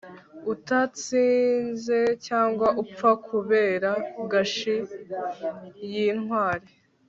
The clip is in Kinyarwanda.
Utatsinze cyangwa upfa kubera gashi yintwari